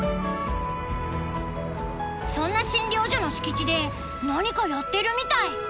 そんな診療所の敷地で何かやってるみたい。